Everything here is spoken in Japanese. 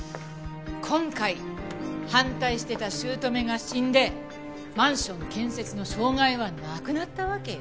今回反対していた姑が死んでマンション建設の障害はなくなったわけよ。